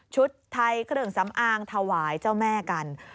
ชุดไทยเครื่องสำอางถวายเจ้าแม่กัน